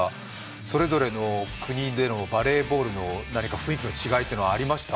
それぞれの国でのバレーボールの雰囲気の違いはありました？